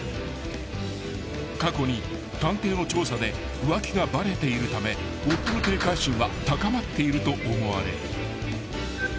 ［過去に探偵の調査で浮気がバレているため夫の警戒心は高まっていると思われる］